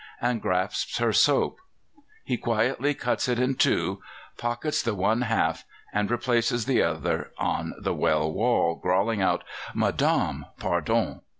and grasps her soap. He quietly cuts it in two, pockets the one half and replaces the other on the well wall, growling out, "Madame, pardon!"